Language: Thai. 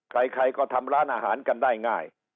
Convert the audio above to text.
ใครก็ทำร้านอาหารกันได้ง่าย